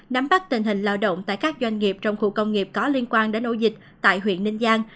nắm bắt tình hình lao động tại các doanh nghiệp trong khu công nghiệp có liên quan đến ổ dịch tại huyện ninh giang